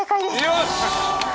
よし！